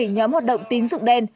bảy nhóm hoạt động tín dụng đen